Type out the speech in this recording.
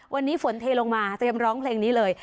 วันนี้ฝนเทลงมาเตรียมร้องเพลงนี้เลย